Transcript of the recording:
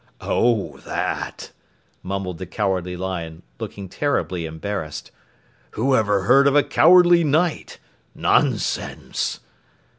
"Oh, that!" mumbled the Cowardly Lion, looking terribly embarrassed. "Whoever heard of a Cowardly Knight? Nonsense!"